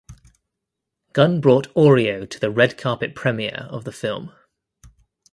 Gunn brought Oreo to the red carpet premiere of the film.